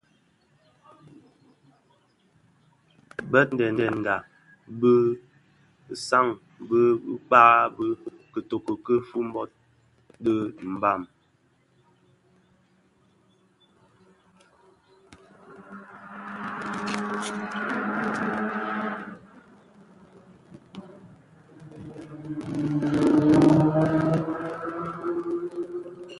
Bō toňdènga besan be kpag bë kitoňèn ki Fumbot dhi Mbam.